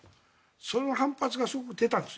その反発がすごく出たんです。